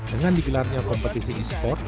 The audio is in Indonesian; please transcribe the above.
dengan digelarnya kompetisi esport